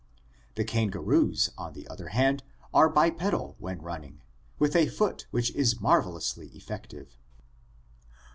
The kangaroos, on the other hand, are bipedal when running, with a foot which is marvelously effective.